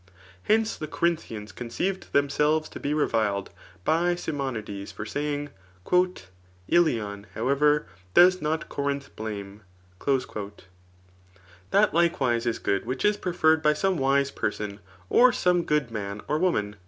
Hence the Corinthians conceived themselves to be reviled by Si monides, for saying, l&otif however^ does not Corinth bhnre.'' That likewise is good which is preferred by some wiae person, or some good man or woman.